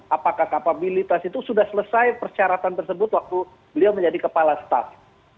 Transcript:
apakah kapabilitas itu sudah selesai persyaratan tersebut waktu beliau menjadi kepala staff